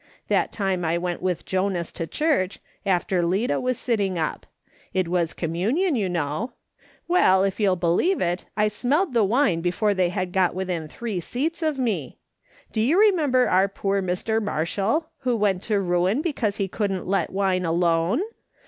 " That time I went with Jonas to church, after Lida was sitting up. It was communion, you ''THEY UP AND CALLED HIM A FANATICS 275 know. "Well, if you'll believe it^ I smellecl the wine before they had got within three seats of me. Do you remember our poor Mr. Marshall who went to ruin because he couldn't let wine alone